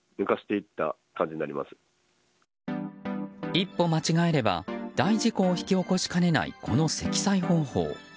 一歩間違えれば、大事故を引き起こしかねないこの積載方法。